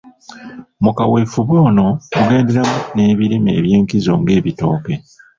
Mu kaweefube ono mugenderamu n’ebirime ebyenkizo ng’ebitooke.